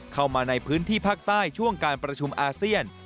เข้ามาในพื้นที่ภาคใต้ช่วงการประชุมอาเซียน